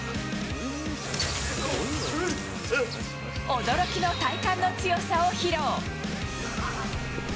驚きの体幹の強さを披露。